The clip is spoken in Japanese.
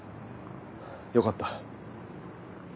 よかった。